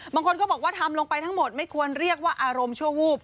บางคนก็บอกว่าทำลงไปทั้งหมดไม่ควรเรียกว่าอารมณ์ชั่ววูบ